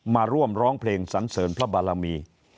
มาร่วมร้องเพลงสันเสริญพระบารมี